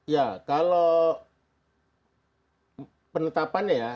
ya kalau penetapannya ya